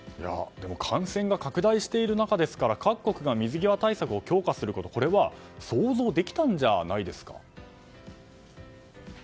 感染が拡大している中ですから各国が水際対策を強化することは想像できたんじゃないですか？